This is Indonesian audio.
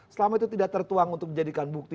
selama itu tidak tertuang untuk menjadikan bukti